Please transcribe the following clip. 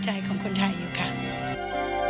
พลงานเพลงของพี่แหวนยังอยู่ในหัวใจของคนไทยอยู่ค่ะ